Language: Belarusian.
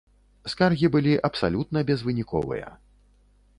Скаргі былі абсалютна безвыніковыя.